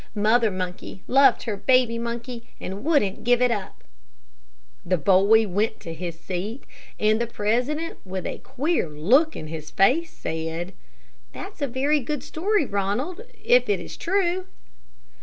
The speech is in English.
Mother monkey loved her baby monkey, and wouldn't give it up." The boy went to his seat, and the president, with a queer look in his face, said, "That's a very good story, Ronald if it is true."